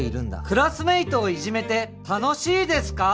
クラスメイトをイジめて楽しいですか？